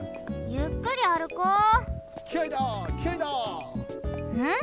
ゆっくりあるこう。